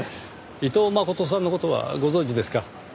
伊藤真琴さんの事はご存じですか？